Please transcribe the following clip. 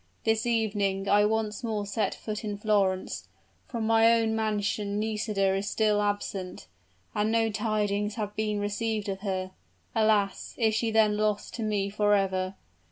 This evening I once more set foot in Florence. From my own mansion Nisida is still absent: and no tidings have been received of her. Alas! is she then lost to me forever?